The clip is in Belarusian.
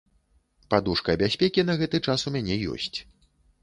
Падушка бяспекі на гэты час у мяне ёсць.